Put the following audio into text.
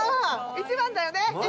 １番だよね？